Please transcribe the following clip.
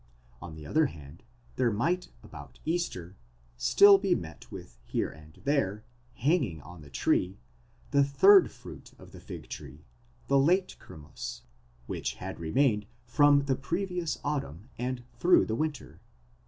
On the other hand, there might about Easter still be met with here and there, hanging on the tree, the third fruit of the fig tree, the late kermus, which had remained from the previous autumn, and through the winter : 15.